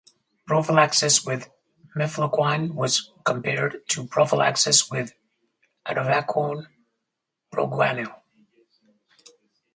Prophylaxis with mefloquine was compared to prophylaxis with atovaquone-proguanil.